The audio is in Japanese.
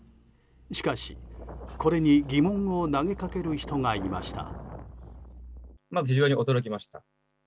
しかし、これに疑問を投げかける人がいました。